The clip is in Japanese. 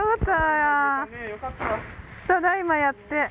ただいまやって。